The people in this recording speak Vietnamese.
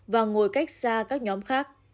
và ngồi cách xa các nhóm khác